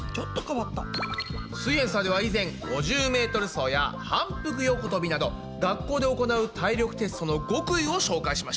「すイエんサー」では以前５０ｍ走や反復横とびなど学校で行う体力テストの極意を紹介しました。